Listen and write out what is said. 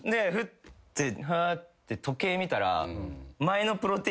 でふって時計見たら。